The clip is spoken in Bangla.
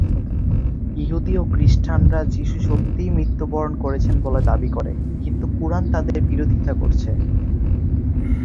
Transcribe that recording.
ইহুদি ও খ্রিস্টানরা যিশু সত্যিই মৃত্যুবরণ করেছেন বলে দাবি করে, কিন্তু কুরআন তাদের বিরোধিতা করছে।